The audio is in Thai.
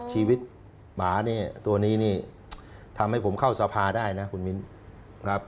ชีวิตหมาเนี่ยตัวนี้นี่ทำให้ผมเข้าสภาได้นะคุณมิ้นครับ